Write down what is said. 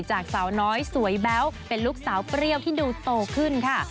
จากสาวน้อยสวยแบ๊วเป็นลูกสาวเปรี้ยวที่ดูโตขึ้นค่ะ